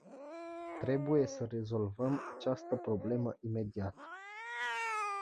Trebuie să rezolvăm această problemă imediat.